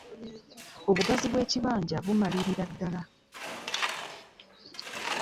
Obugazi bw'ekibanja bumalirira ddala.